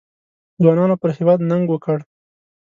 ځوانانو پر هېواد ننګ وکړ.